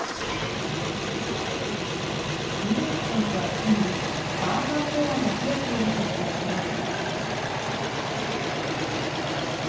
箕口教授は近年、アーバンベアが増えていると指摘します。